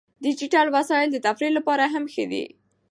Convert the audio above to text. ډیجیټل وسایل د تفریح لپاره هم ښه دي.